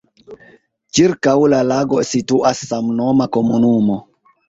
Ĉirkaŭ la lago situas samnoma komunumo.